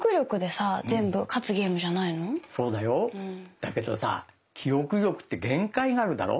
だけどさ記憶力って限界があるだろう？